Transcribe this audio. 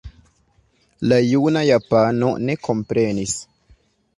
La juna japano ne komprenis.